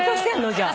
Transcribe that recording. じゃあ。